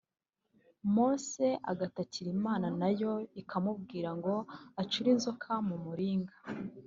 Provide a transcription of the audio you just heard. Mose agatakira Imana na yo ikamubwira ngo acure inzoka mu muringa